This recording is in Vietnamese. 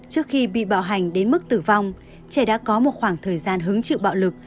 trước khi bị bạo hành đến mức tử vong trẻ đã có một khoảng thời gian hứng chịu bạo lực